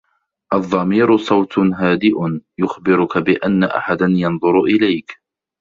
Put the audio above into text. الضمير صوت هادىء.. يخبرك بأن أحداً ينظر إليك.